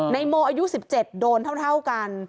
ในโมอายุ๑๗โดนเท่ากัน